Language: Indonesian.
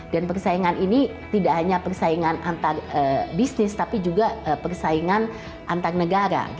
dan persaingan ini tidak hanya persaingan antar bisnis tapi juga persaingan antar negara